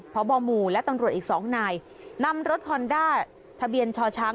พบหมู่และตำรวจอีกสองนายนำรถฮอนด้าทะเบียนชช้าง